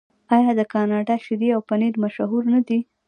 آیا د کاناډا شیدې او پنیر مشهور نه دي؟